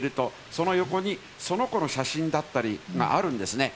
その横にその子の写真だったりがあるんですね。